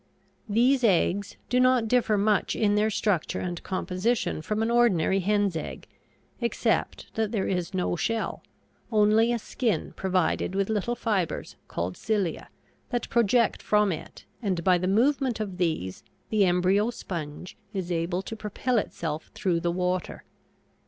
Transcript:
These eggs do not differ much in their structure and composition from an ordinary hen's egg, except that there is no shell, only a skin provided with little fibers called cilia, that project from it, and by the movement of these the embryo sponge is able to propel itself through the water.